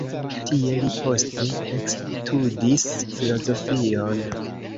Tie li poste ekstudis filozofion.